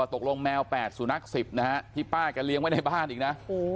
ตกลงแมว๘สุนัข๑๐ที่ป้าก็เลี้ยงไว้ในบ้านอีกนะ